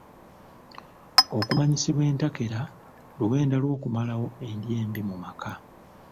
Okumanyisibwa entakera luwenda lw'okumalawo endya embi mu maka.